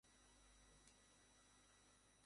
পুরো শহরই জানে তারা অত্যন্ত বিপজ্জনক।